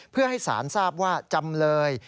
เพื่อให้สารทราบว่าจำเลย